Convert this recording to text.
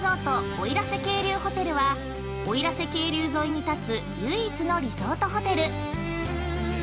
奥入瀬渓流ホテルは奥入瀬渓流沿いに建つ唯一のリゾートホテル。